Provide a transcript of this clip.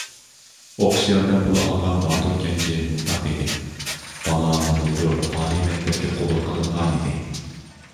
ئوقۇش ياردەم پۇلى ئالغان باتۇر كەنجى مۇنداق دېدى: بالام بۇلتۇر ئالىي مەكتەپكە قوبۇل قىلىنغانىدى.